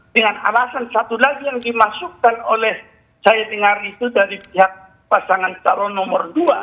dengan alasan satu lagi yang dimasukkan oleh saya dengar itu dari pihak pasangan calon nomor dua